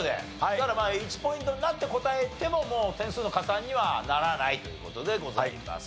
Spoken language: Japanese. だからまあ１ポイントになって答えてももう点数の加算にはならないという事でございます。